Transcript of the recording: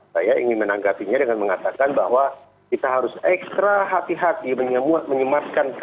saya ingin menanggapinya dengan mengatakan bahwa kita harus ekstra hati hati menyemaskan